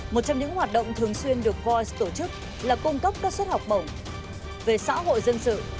một trong những hoạt động thường xuyên được voi tổ chức là cung cấp các suất học bổng về xã hội dân sự